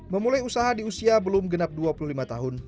memulai usaha di usia belum genap dua puluh lima tahun